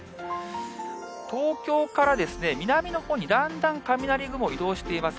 東京から南のほうにだんだん雷雲、移動しています。